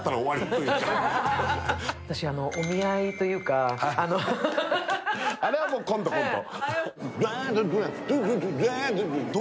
お見合いというかあれはコント、コント。